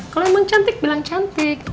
kalau emang cantik bilang cantik